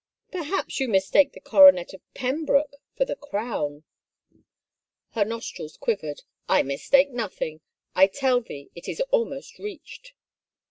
Perhaps you mistake the coronet of Pembroke for the crown ?" Her nostrils quivered. "I mistake nothing! I tell thee, it is almost reached."